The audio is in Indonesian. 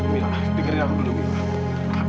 mila pikirin aku dulu mila